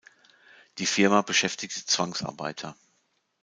Die Firma beschäftigte Zwangsarbeiter.